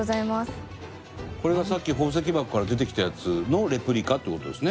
伊達：これが、さっき宝石箱から出てきたやつのレプリカって事ですね。